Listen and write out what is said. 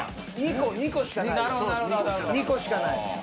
２個しかないよ